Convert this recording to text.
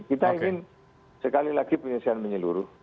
kita ingin sekali lagi penyelesaian menyeluruh